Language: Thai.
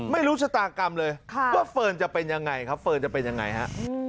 ไม่รู้ชะตากรรมเลยว่าเฟิร์นจะเป็นยังไงครับเฟิร์นจะเป็นยังไงฮะ